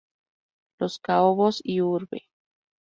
Los Caobos y Urb.